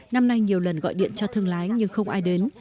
năm nay nhiều lần gọi điện cho thương lái nhưng không ai đến